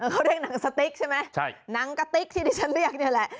เขาเรียกหนังสติ๊กใช่ไหมหนังกะติ๊กที่ดิฉันเรียกนี่แหละ